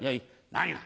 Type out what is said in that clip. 何が？